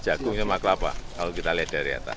jagung sama kelapa kalau kita lihat dari atas